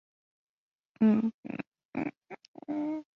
他的大部分科学着作涉及对他人所发表观点的分析与综合中。